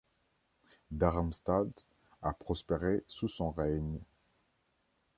Darmstadt a prospéré sous son règne.